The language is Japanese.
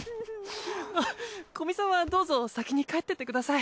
あっ古見さんはどうぞ先に帰っててください。